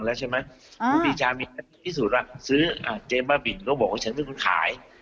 ครูปีชามีงานที่สูดซื้อเจ๊บ้าบิ่นก็บอกผมเป็นคนขาย